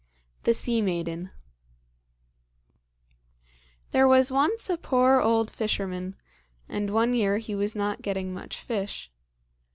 The Sea Maiden There was once a poor old fisherman, and one year he was not getting much fish.